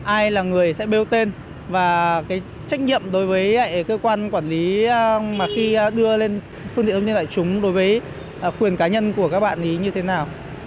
ai là người sẽ bêu tên và cái trách nhiệm đối với cơ quan quản lý mà khi đưa lên phương tiện thông tin đại chúng đối với quyền cá nhân của các bạn ý như thế nào